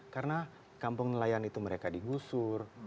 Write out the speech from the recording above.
karena kampung nelayan itu mereka digusur